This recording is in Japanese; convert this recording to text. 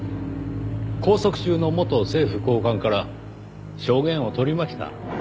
拘束中の元政府高官から証言を取りました。